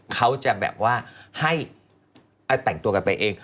เขาจะแบบว่าให้แต่งตัวกันไปเอง